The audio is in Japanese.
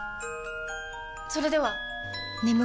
それでは！